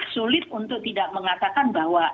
sulit untuk tidak mengatakan bahwa